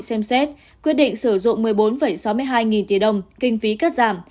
xem xét quyết định sử dụng một mươi bốn sáu mươi hai nghìn tỷ đồng kinh phí cắt giảm